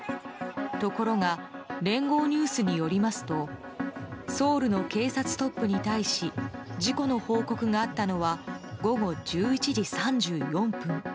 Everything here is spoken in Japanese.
ところが聯合ニュースによりますとソウルの警察トップに対し事故の報告があったのは午後１１時３４分。